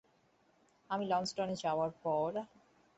আমি লন্সেস্টনে যাওয়ার পর, আমি কতৃপক্ষকে বলব তুই পালিয়ে গেছিস।